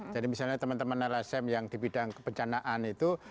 jadi misalnya teman teman rsm yang di bidang pencanaan itu